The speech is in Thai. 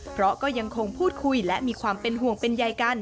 เพราะก็ยังคงพูดคุยและมีความเป็นห่วงเป็นใยกัน